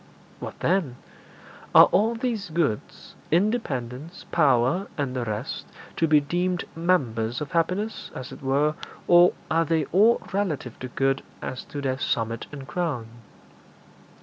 'What then?' 'Are all these goods independence, power, and the rest to be deemed members of happiness, as it were, or are they all relative to good as to their summit and crown?'